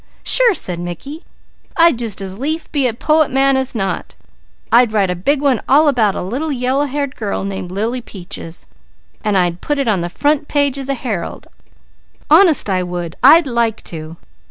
"Sure!" said Mickey. "I'd just as lief be a poet man as not! I'd write a big one all about a little yellow haired girl named Lily Peaches, and I'd put it on the front page of the Herald! Honest I would! I'd like to!"